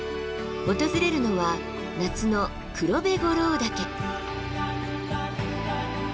訪れるのは夏の黒部五郎岳。